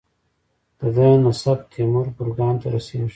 د ده نسب تیمور ګورکان ته رسیږي.